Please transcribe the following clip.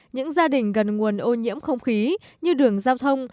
những gia đình gần nguồn ô nhiễm không khí như đường giao thông